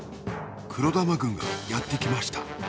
黒玉軍がやってきました。